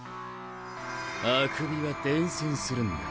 あくびは伝染するんだ。